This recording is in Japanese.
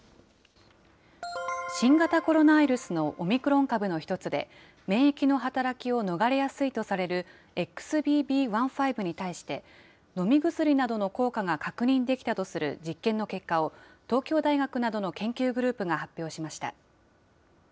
新型コロナウイルスのオミクロン株の一つで、免疫の働きを逃れやすいとされるＸＢＢ．１．５に対して、飲み薬などの効果が確認できたとする実験の結果を、東京大学などの研究グループが発表しました。